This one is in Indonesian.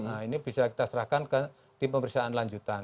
nah ini bisa kita serahkan ke tim pemeriksaan lanjutan